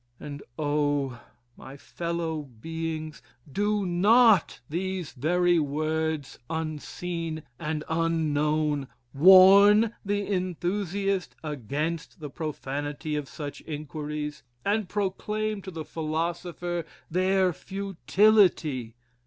And oh! my fellow beings! do not these very words unseen and unknown, warn the enthusiast against the profanity of such inquiries, and proclaim to the philosopher their futility?